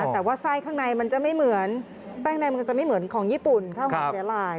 แต่ว่าไส้ข้างในมันจะไม่เหมือนของญี่ปุ่นเข้าของสหร่าย